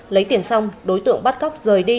lấy tiền xong đối tượng bắt góc rời đi